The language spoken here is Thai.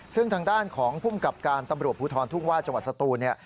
ซึ่งทางด้านของภูมิกับการตำรวจภูทรทุ่งว่าจังหวัดสตูนเนี่ย